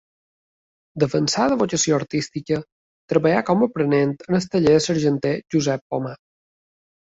D'avançada vocació artística, treballà com aprenent al taller de l'argenter Josep Pomar.